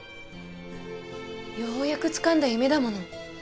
ようやくつかんだ夢だもの。